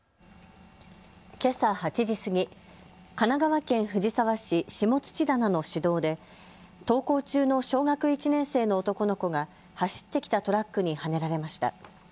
けさ８時過ぎ、神奈川県藤沢市下土棚の市道で登校中の小学１年生の男の子が走ってきたトラックにはねられました。